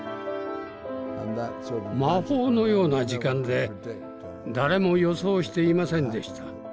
魔法のような時間で誰も予想していませんでした。